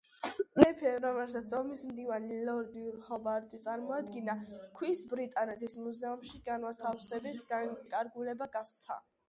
მეფემ, რომელსაც ომის მდივანი ლორდი ჰობარტი წარმოადგენდა, ქვის ბრიტანეთის მუზეუმში განთავსების განკარგულება გასცა.